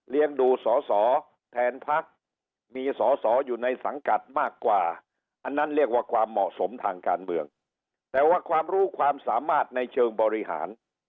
ดูสอสอแทนพักมีสอสออยู่ในสังกัดมากกว่าอันนั้นเรียกว่าความเหมาะสมทางการเมืองแต่ว่าความรู้ความสามารถในเชิงบริหาร